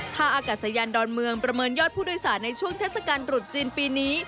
ท่าอากาศยานดอนเมืองประเมินยอดผู้โดยสารในช่วงเทศกาลตรุษจีนปีนี้